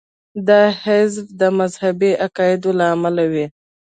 دا حذف د مذهبي عقایدو له امله وي.